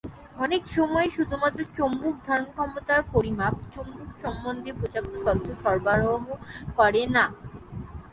অনেক সময়েই শুধুমাত্র চৌম্বক ধারণ ক্ষমতার পরিমাপ, চুম্বক সম্বন্ধে পর্যাপ্ত তথ্য সরবরাহ করে না।